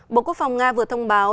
bộ quốc phòng nga vừa thông báo